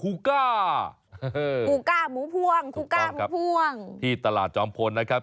กูก้าหมูพวงที่ตลาดจอมพลนะครับ